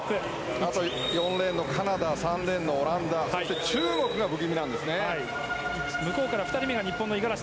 ４レーンのカナダ３レーンのオランダそして中国が不気味なんですね。